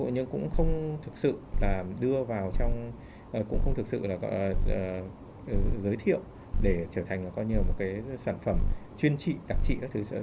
nhưng cũng không thực sự là đưa vào trong cũng không thực sự là giới thiệu để trở thành là coi như là một cái sản phẩm chuyên trị đặc trị cho bệnh covid một mươi chín